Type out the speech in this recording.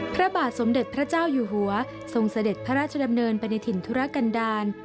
พระบาทสมเด็จพระเจ้าอยู่หัวทรงเสด็จพระราชดำเนินไปในถิ่นธุรกันดาล